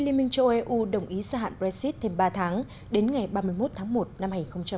liên minh châu âu eu đồng ý gia hạn brexit thêm ba tháng đến ngày ba mươi một tháng một năm hai nghìn hai mươi